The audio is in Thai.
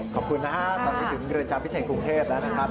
ขอบคุณค่ะไปถึงเรือนจำพิเศษกรุงเทพนะครับ